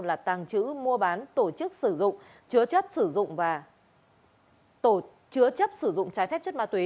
là tàng chữ mua bán tổ chức sử dụng chứa chất sử dụng trái phép chất ma túy